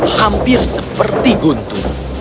hampir seperti guntur